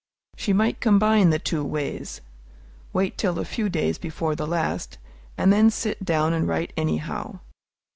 She might combine the two ways, wait till a few days before the last, and then sit down and write anyhow.